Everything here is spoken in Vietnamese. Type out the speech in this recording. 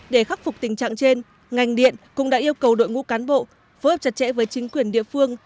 để khắc phục tình trạng trên ngành điện cũng đã yêu cầu đội ngũ cán bộ phối hợp chặt chẽ với chính quyền địa phương